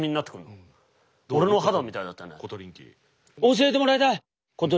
教えてもらいたい！